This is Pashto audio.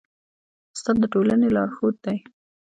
استاد د ټولني لارښود دی.